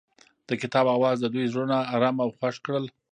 د کتاب اواز د دوی زړونه ارامه او خوښ کړل.